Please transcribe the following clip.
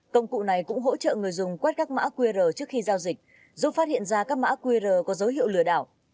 công cụ này cũng hỗ trợ người dùng quét các mã qr trước khi giao dịch giúp phát hiện ra các mã qr có dấu hiệu lừa đảo